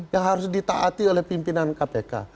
yang harus ditaati oleh pimpinan kpk